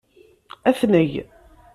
Ad t-neg.